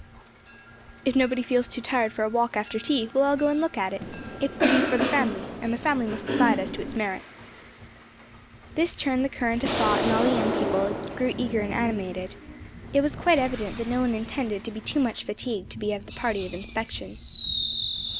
If nobody feels too tired for a walk after tea we will all go and look at it. It is to be for the family, and the family must decide as to its merits." This turned the current of thought and all the young people grew eager and animated. It was quite evident that no one intended to be too much fatigued to be of the party of inspection.